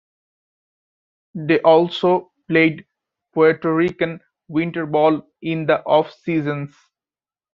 Day also played Puerto Rican winter ball in the offseasons.